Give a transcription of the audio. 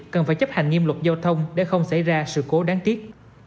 cần phải chấp hành nghiêm luật giao thông để không xảy ra sự cố đáng tiếc